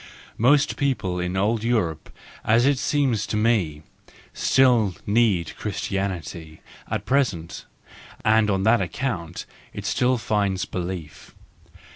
Most people in old Europe, as it seems to me, still need Christianity at present, and on that account it still finds belief.